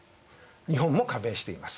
日本も加盟しています。